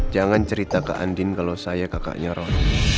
jangan cerita ke andin kalau saya kakaknya roh